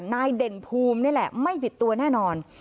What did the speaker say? เด่นภูมินี่แหละไม่ผิดตัวแน่นอน